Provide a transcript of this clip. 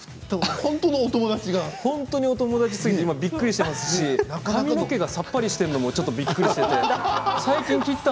本当の友達すぎてびっくりしたし髪の毛がさっぱりしているのもびっくりして。